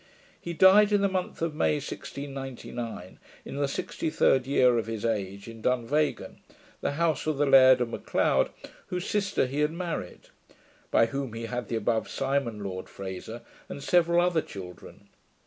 He died in the month of May, 1699, in the 63d year of his age, in Dunvegan, the house of the LAIRD of MAC LEOD, whose sister he had married: by whom he had the above SIMON LORD FRASER, and several other children.